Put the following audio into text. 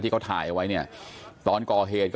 มีภาพวงจรปิดอีกมุมหนึ่งของตอนที่เกิดเหตุนะฮะ